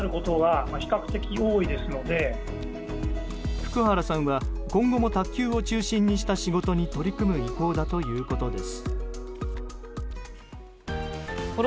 福原さんは今後も卓球を中心にした仕事に取り組む意向だということです。